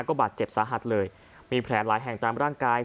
ก็บาดเจ็บสาหัสเลยมีแผลหลายแห่งตามร่างกาย